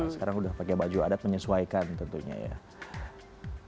sekarang udah pakai baju adat menyesuaikan tentunya ya